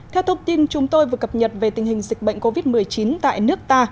theo thông tin chúng tôi vừa cập nhật về tình hình dịch bệnh covid một mươi chín tại nước ta